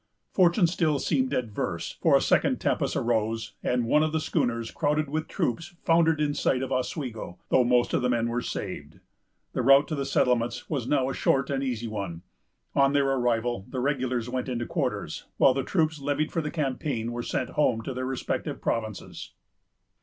Fortune still seemed adverse; for a second tempest arose, and one of the schooners, crowded with troops, foundered in sight of Oswego, though most of the men were saved. The route to the settlements was now a short and easy one. On their arrival, the regulars went into quarters; while the troops levied for the campaign were sent home to their respective provinces.